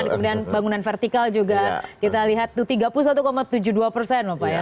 kemudian bangunan vertikal juga kita lihat itu tiga puluh satu tujuh puluh dua persen loh pak ya